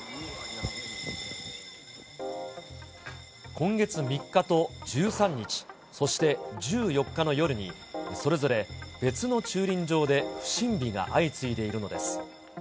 今月３日と１３日、そして１４日の夜に、それぞれ別の駐輪場で不審火が相次いでいるのです。